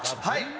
はい！